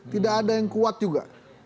tidak ada yang kuat juga